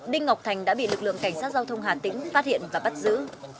đinh ngọc thành đã bị lực lượng cảnh sát giao thông hà tĩnh phát hiện và bắt giữ